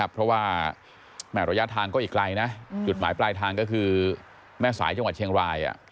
เพราะว่าระยะทางก็อีกไกลนะจุดหมายปลายทางก็คือแม่สายจังหวัดเชียงราย